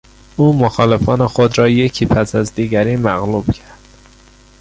او مخالفان خود را یکی پس از دیگری مغلوب کرد.